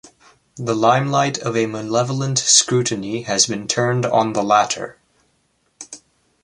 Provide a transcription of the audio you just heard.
The limelight of a malevolent scrutiny has been turned on the latter.